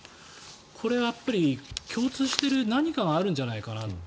これやっぱり共通している何かがあるんじゃないかなと。